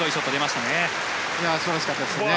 素晴らしかったですね。